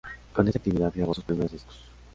Con esta actividad grabó sus primeros discos.